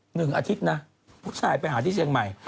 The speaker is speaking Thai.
หนึ่งอาทิตย์นะผู้ชายไปหาที่เชียงใหม่